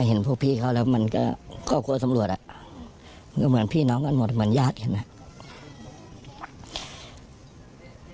เห็นพวกพี่เขาแล้วมันก็ครอบครัวสำรวจอ่ะมันก็เหมือนพี่น้องกันหมดเหมือนญาติเห็นไหม